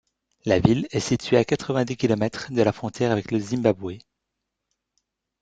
La ville est située à quatre-vingt-dix kilomètres de la frontière avec le Zimbabwe.